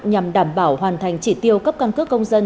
nhằm đảm bảo hoàn thành chỉ tiêu cấp căn cước công dân